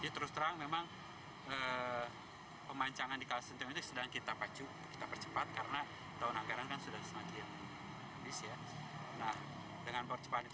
terus terang memang pemancangan di kalisentiong ini sedang kita pacu kita percepat karena tahun angkaran kan sudah selesai